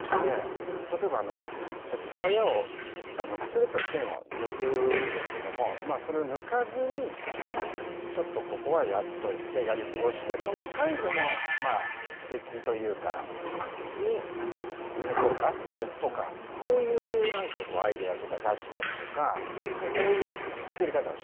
例えばあのさっき鞘を普通だったら剣を抜くんですけどもまあそれを抜かずにちょっとここはやっといてやり過ごしてその最後のまあ敵というかに抜こうかとかそういう何かこうアイデアとか出したりとかそういう作り方をしてるんですよね。